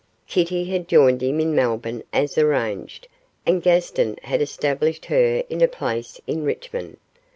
Kitty had joined him in Melbourne as arranged, and Gaston had established her in a place in Richmond.